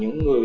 bản thân tộc